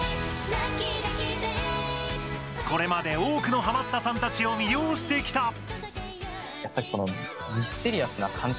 これまで多くのハマったさんたちを魅了してきた。